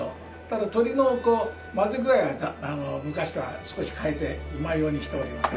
ただ鳥の混ぜ具合は昔とは少し変えてうまいようにしております。